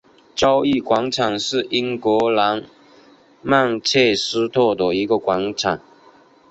交易广场是英格兰曼彻斯特的一个广场。